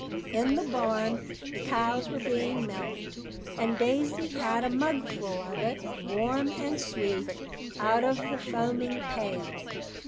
In the barn, the cows were being milked; and Daisy had a mugful of it, warm and sweet, out of the foaming pail.